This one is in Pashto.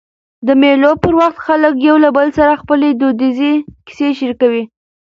د مېلو پر وخت خلک له یو بل سره خپلي دودیزي کیسې شریکوي.